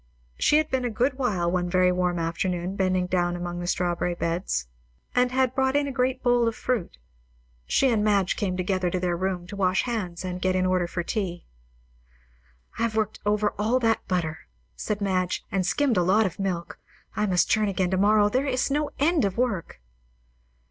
She had been a good while one very warm afternoon bending down among the strawberry beds, and had brought in a great bowl full of fruit. She and Madge came together to their room to wash hands and get in order for tea. "I have worked over all that butter," said Madge, "and skimmed a lot of milk. I must churn again to morrow. There is no end to work!"